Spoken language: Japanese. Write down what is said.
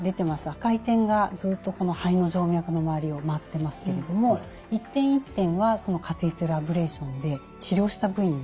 赤い点がずっとこの肺の静脈の周りを回ってますけれども一点一点はそのカテーテルアブレーションで治療した部位になります。